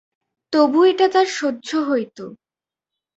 তবু এটা তার সহ্য হইত।